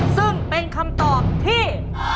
ซึ่งเป็นคำตอบที่